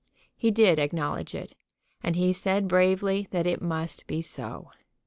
He did acknowledge it, and he said bravely that it must be so.